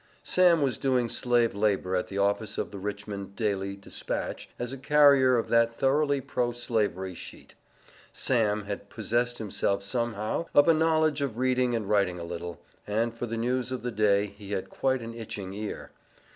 "Sam" was doing Slave labor at the office of the Richmond "Daily Dispatch," as a carrier of that thoroughly pro slavery sheet. "Sam" had possessed himself somehow of a knowledge of reading and writing a little, and for the news of the day he had quite an itching ear.